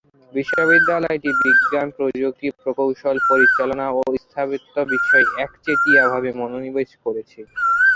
বিশ্ববিদ্যালয়টি বিজ্ঞান, প্রযুক্তি, প্রকৌশল, পরিচালনা ও স্থাপত্য বিষয়ে একচেটিয়া ভাবে মনোনিবেশ করেছে।